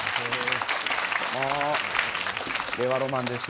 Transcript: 令和ロマンです。